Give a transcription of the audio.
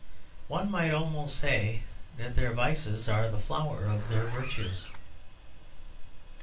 One might almost say that their vices are the flower of their virtues.